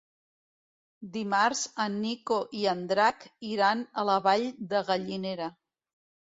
Dimarts en Nico i en Drac iran a la Vall de Gallinera.